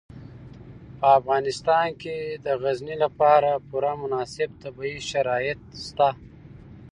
په افغانستان کې د غزني لپاره پوره مناسب طبیعي شرایط شته.